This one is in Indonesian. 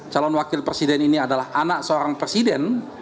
calon wakil presiden ini adalah anak seorang presiden